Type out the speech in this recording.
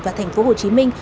và thành phố hồ chí minh